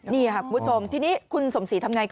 นี่ค่ะคุณผู้ชมที่นี่คุณสมศรีทำอย่างไร